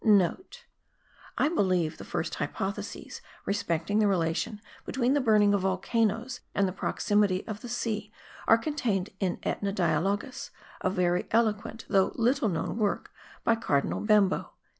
*(* I believe the first hypotheses respecting the relation between the burning of volcanoes and the proximity of the sea are contained in Aetna Dialogus, a very eloquent though little known work by Cardinal Bembo.)